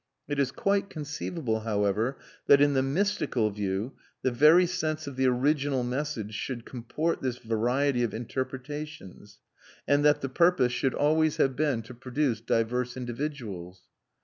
It is quite conceivable, however, that in the mystical view the very sense of the original message should comport this variety of interpretations, and that the purpose should always have been to produce diverse individuals.